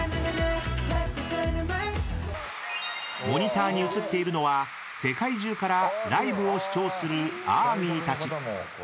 ［モニターに映っているのは世界中からライブを視聴するＡＲＭＹたち］